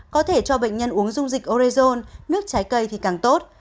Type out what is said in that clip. có thể cho bệnh nhân uống dung dịch orezon nước trái cây thì càng tốt